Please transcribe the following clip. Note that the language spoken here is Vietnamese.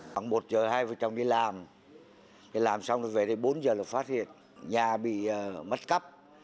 khoảng một h hai vợ chồng đi làm làm xong về đây bốn h là phát hiện nhà bị mất cắp